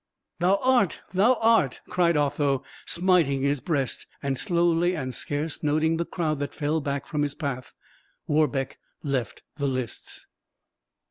"Thou art! thou art!" cried Otho, smiting his breast; and slowly, and scarce noting the crowd that fell back from his path, Warbeck left the lists.